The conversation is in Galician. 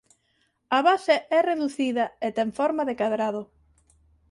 A base é reducida e ten forma de cadrado.